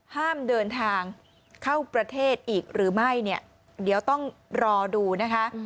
ห้ามเดินทางเข้าประเทศอีกหรือไม่เนี่ยเดี๋ยวต้องรอดูนะคะ